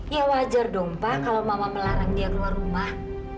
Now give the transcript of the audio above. ya wajar dong pak kalau mama melarang dia keluar rumah